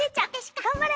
頑張れ！